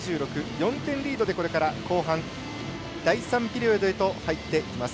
４点リードで、これから後半第３ピリオドへと入っていきます。